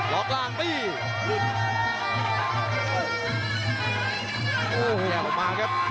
รอกล่างไป